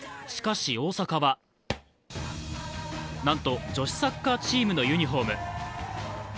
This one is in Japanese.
しかし大坂は、なんと女子サッカーチームのユニフォーム。